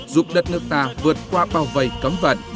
giúp đất nước ta vượt qua bao vây cấm vận